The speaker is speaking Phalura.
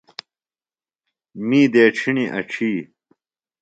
می دیڇِھݨیۡ اڇھی۔